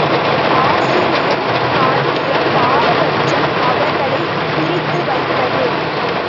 ஆசிரியன் காட்டிய பாரபட்சம் அவர்களைப் பிரித்து வைத்தது.